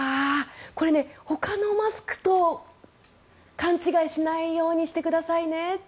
これ、ほかのマスクと勘違いしないようにしてくださいねという。